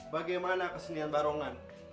bagaimana kesenian barongan